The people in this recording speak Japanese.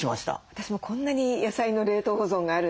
私もこんなに野菜の冷凍保存があるなんて。